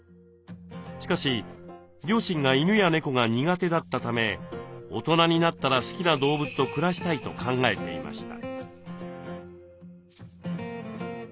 しかし両親が犬や猫が苦手だったため大人になったら好きな動物と暮らしたいと考えていました。